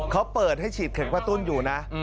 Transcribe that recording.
เขาเปิดให้ฉีดเข็มกระตุ้นอยู่นะ